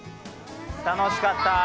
楽しかった！